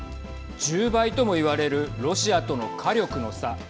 １０倍ともいわれるロシアとの火力の差。